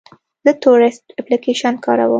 زه تورسټ اپلیکیشن کاروم.